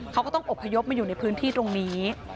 เขาก็ต้องอบพยพมาอยู่ในพื้นที่ตรงนี้